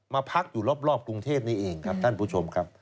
มาพักอยู่รอบกรุงเทพนี้เองครับท่านผู้ชมครับ